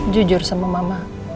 jujur sama mama